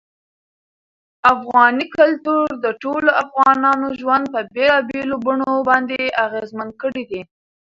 افغاني کلتور د ټولو افغانانو ژوند په بېلابېلو بڼو باندې اغېزمن کړی دی.